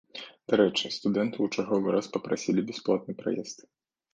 Дарэчы, студэнты ў чарговы раз папрасілі бясплатны праезд.